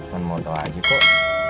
bukan mau tau aki kok